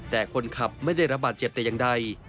แต่คนขับไม่ได้รับบาดเจ็บแต่อย่างใด